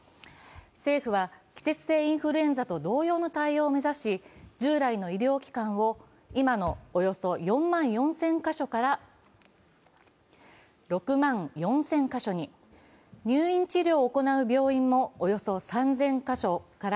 政府は季節性インフルエンザと同様の対応を目指し従来の医療機関を今のおよそ４万４０００か所から６万４０００か所に、入院治療を行う病院もおよそ３０００か所から